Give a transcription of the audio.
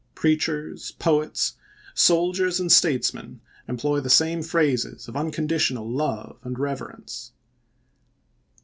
Preachers, poets, soldiers, and statesmen employ the same phrases of unconditional love and reverence.